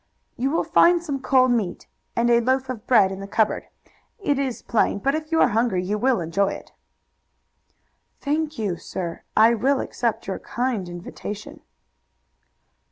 "You will find some cold meat and a loaf of bread in the cupboard. It is plain, but if you are hungry you will enjoy it." "Thank you, sir. I will accept your kind invitation."